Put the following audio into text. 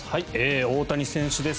大谷選手です。